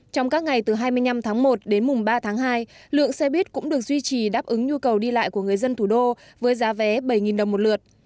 trong các ngày từ hai mươi năm tháng một đến mùng ba tháng hai lượng xe buýt cũng được duy trì đáp ứng nhu cầu đi lại của người dân thủ đô với giá vé bảy đồng một lượt